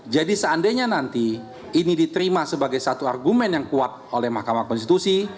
jadi seandainya nanti ini diterima sebagai satu argumen yang kuat oleh mahkamah konstitusi